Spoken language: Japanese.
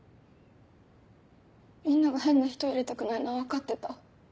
みんなが変な人を入れたくないのは分かってた。